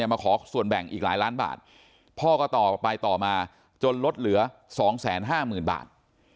มาขอส่วนแบ่งอีกหลายล้านบาทพ่อก็ต่อไปต่อมาจนลดเหลือ๒๕๐๐๐บาท